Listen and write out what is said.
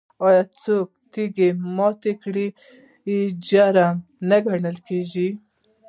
آیا څوک چې تیږه ماته کړي مجرم نه ګڼل کیږي؟